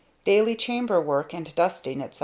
Daily chamber work and dusting, etc.